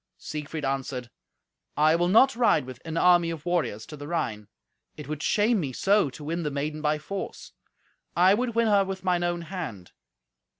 Siegfried answered, "I will not ride with an army of warriors to the Rhine; it would shame me so to win the maiden by force. I would win her with mine own hand.